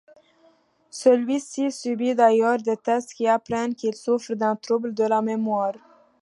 Celui-ci subit d'ailleurs des tests qui apprenne qu'il souffre d'un trouble de la mémoire.